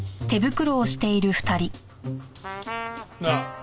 なあ。